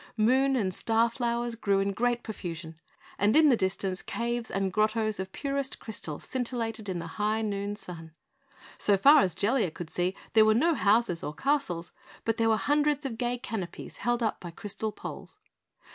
Moon and star flowers grew in great profusion, and in the distance, caves and grottoes of purest crystal scintillated in the high noon sun. So far as Jellia could see, there were no houses or castles, but there were hundreds of gay canopies held up by crystal poles.